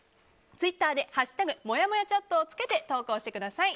ツイッターで「＃もやもやチャット」をつけて投稿してください。